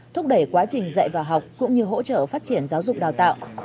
thúc đẩy quá trình dạy và học cũng như hỗ trợ phát triển giáo dục đào tạo